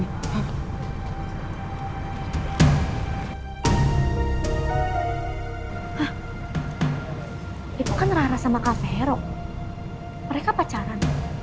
hah itu kan rara sama kak fero mereka pacaran